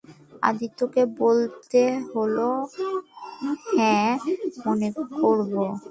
আদিত্যকে বলতে হল, হাঁ, মনে করব।